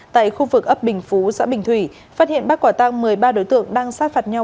tại khu vực ấp bình phú xã bình thủy phát hiện bắt quả tăng một mươi ba đối tượng đang sát phạt nhau